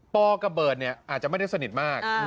กับเบิร์ตอาจจะไม่ได้สนิทมาก